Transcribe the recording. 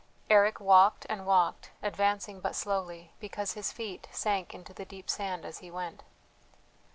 Eric walked and walked, advancing but slowly, because his feet sank into the deep sand as he went.